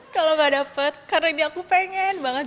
kalau gak dapet karena ini aku pengen banget